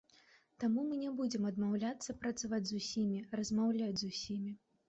Таму мы не будзем адмаўляцца працаваць з усімі, размаўляць з усімі.